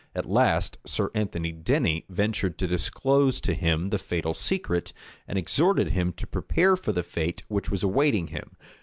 At last, Sir Anthony Denny ventured to disclose to him the fatal secret, and exhorted him to prepare for the fate which was awaiting him.